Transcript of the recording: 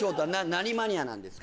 何マニアなんですか？